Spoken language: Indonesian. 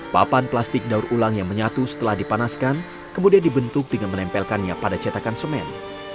papan plastik daur ulang yang menyatu setelah dipanaskan kemudian dibentuk dengan menempelkannya pada cetakan semen